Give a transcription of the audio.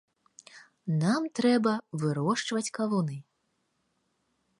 Нам трэба вырошчваць кавуны.